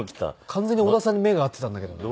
完全に小田さんに目が合っていたんだけどな。